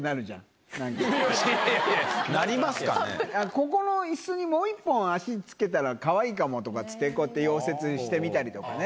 「ここの椅子にもう１本脚付けたらかわいいかも」とかっつってこうやって溶接してみたりとかね。